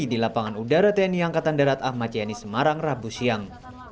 di lapangan udara tni angkatan darat ahmad yani semarang rabu siang